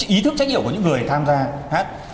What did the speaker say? ý thức trách nhiệm của những người tham gia hát